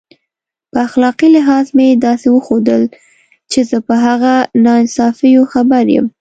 په اخلاقي لحاظ مې داسې وښودل چې زه په هغه ناانصافیو خبر یم.